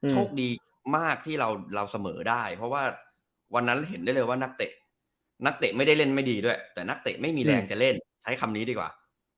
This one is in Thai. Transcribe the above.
โชคดีมากที่เราเสมอได้เพราะว่าวันนั้นเห็นได้เลยว่านักเตะนักเตะไม่ได้เล่นไม่ดีด้วยแต่นักเตะไม่มีแรงจะเล่นใช้คำนี้ดีกว่า